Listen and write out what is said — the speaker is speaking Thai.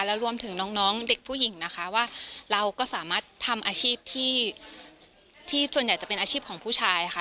แล้วรวมถึงน้องเด็กผู้หญิงนะคะว่าเราก็สามารถทำอาชีพที่ส่วนใหญ่จะเป็นอาชีพของผู้ชายค่ะ